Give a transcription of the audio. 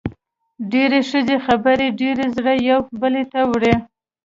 ډېری ښځې خبرې ډېرې زر یوې بلې ته وړي.